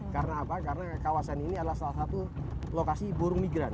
karena kawasan ini adalah salah satu lokasi burung migran